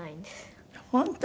本当？